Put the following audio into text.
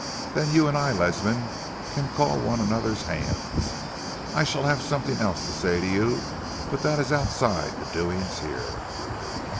Then you and I, Ledsam, can call one another's hands. I shall have something else to say to you, but that is outside the doings here."